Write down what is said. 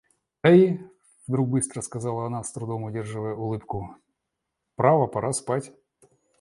Да и... — вдруг быстро сказала она, с трудом удерживая улыбку, — право пора спать.